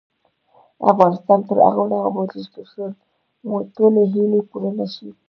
افغانستان تر هغو نه ابادیږي، ترڅو مو ټولې هیلې پوره نشي.